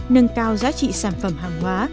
nâng cao giá trị sản phẩm hàng hóa